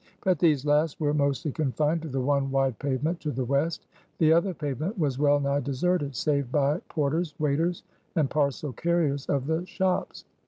But these last were mostly confined to the one wide pavement to the West; the other pavement was well nigh deserted, save by porters, waiters, and parcel carriers of the shops.